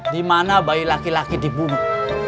dimana bayi laki laki dibunuh